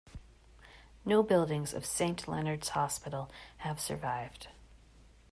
No buildings of Saint Leonard's hospital have survived.